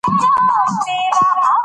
دغه زده کوونکی ډېر ځیرک دی.